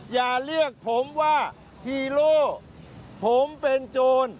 อย่าเรียกผมว่าฮีโร่ผมเป็นโจร